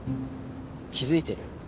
気付いてる？